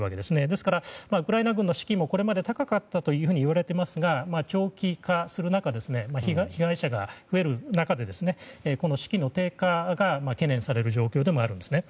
ですから、ウクライナ軍の士気もこれまで高かったというふうにいわれていますが長期化する中で被害者が増える中で士気の低下が懸念される状況でもあるんですね。